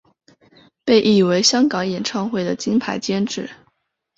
被誉为香港演唱会的金牌监制。